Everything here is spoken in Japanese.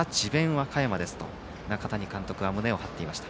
和歌山だと中谷監督は胸を張っていました。